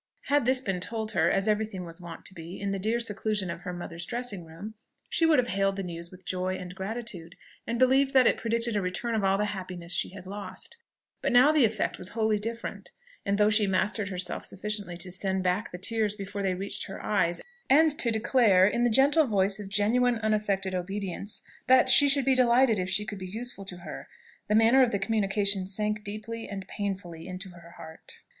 Had this been told her, as every thing was wont to be, in the dear seclusion of her mother's dressing room, she would have hailed the news with joy and gratitude, and believed that it predicted a return of all the happiness she had lost: but now the effect was wholly different; and though she mastered herself sufficiently to send back the tears before they reached her eyes, and to declare, in the gentle voice of genuine unaffected obedience, that she should be delighted if she could be useful to her, the manner of the communication sank deeply and painfully into her heart.